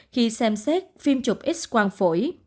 khi xem xét phim chụp x quang phổi